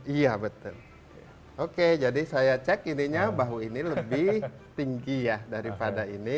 iya betul oke jadi saya cek ininya bahu ini lebih tinggi ya daripada ini